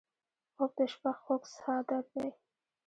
خوب د شپه خوږ څادر دی